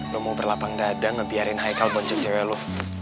lo mau berlapang dada ngebiarin haikal boncok cewek lo